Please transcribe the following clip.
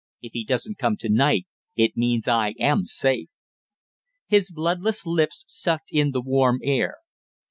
"If he doesn't come to night it means I am safe!" His bloodless lips sucked in the warm air.